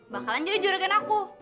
bakalan jadi juragan aku